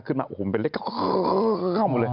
ขึ้นมาปุ่มเป็นเล็ก